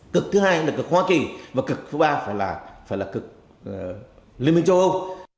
cực thứ hai là cực hoa kỳ và cực thứ ba phải là cực liên minh châu âu